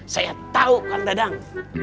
saya tau kang dadang